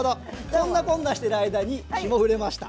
そんなこんなしてる間に霜降れました。